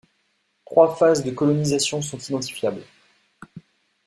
Trois phases de colonisation sont identifiables.